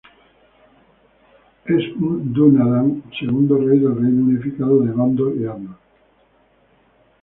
Es un dúnadan, segundo rey del Reino Unificado de Gondor y Arnor.